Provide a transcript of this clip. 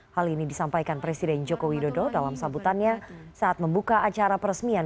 hal ini disampaikan presiden jokowi dodo dalam sabutannya saat membuka acara peresmian